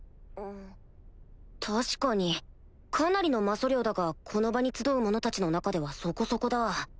確かにかなりの魔素量だがこの場に集う者たちの中ではそこそこだ